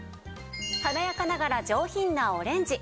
華やかながら上品なオレンジ。